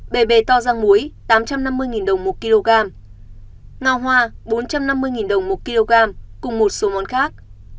bề bề to giang muối tám trăm năm mươi đồng một kg ngào hoa bốn trăm năm mươi đồng một kg cùng một số món khác